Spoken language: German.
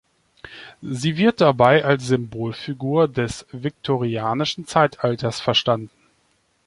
Sie wird dabei als Symbolfigur des viktorianischen Zeitalters verstanden.